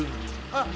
あっ！